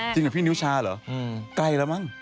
จริงพี่นิ้วชาหรือใกล้แล้วมั้ง